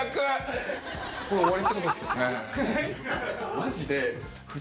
マジで。